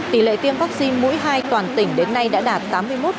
tỷ lệ tiêm vaccine mũi hai toàn tỉnh đến nay đã đạt tám mươi một